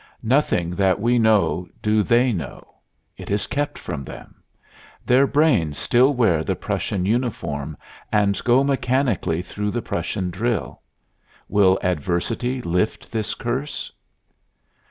Nothing that we know do they know. It is kept from them. Their brains still wear the Prussian uniform and go mechanically through the Prussian drill. Will adversity lift this curse?